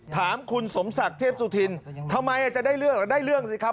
ถามคุณสมศักดิ์เทพสุธินทำไมจะได้เรื่องเหรอได้เรื่องสิครับ